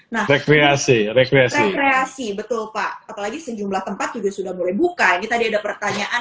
nah rekreasi rekreasi rekreasi betul pak apalagi sejumlah tempat juga sudah mulai buka ini tadi ada pertanyaan